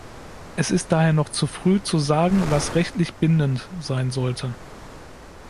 Es ist daher noch zu früh zu sagen, was rechtlich bindend sein sollte.